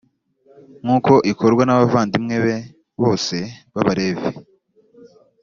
nk’uko ikorwa n’abavandimwe be bose b’abalevi,